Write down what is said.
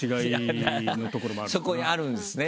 そこにあるんですね